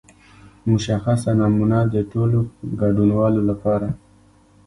مشخصه نمونه د ټولو ګډونوالو لپاره.